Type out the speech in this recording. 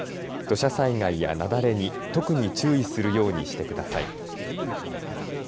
土砂災害や雪崩に特に注意するようにしてください。